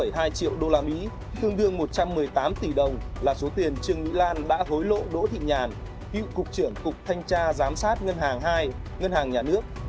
năm hai triệu usd là số tiền trương mỹ lan đã hối lộ đỗ thị nhàn cựu cục trưởng cục thanh tra giám sát ngân hàng hai ngân hàng nhà nước